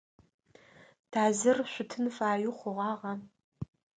Тазыр шъутын фаеу хъугъагъа?